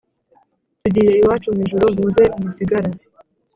Tugiye iwacu mu ijuru muze mwisigara